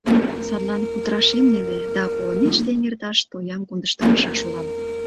Садлан кутырашем неле да колымешке эҥерташ тоям кондыштшаш улам.